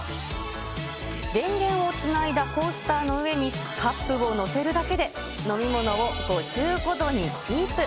電源をつないだコースターの上に、カップを載せるだけで、飲み物を５５度にキープ。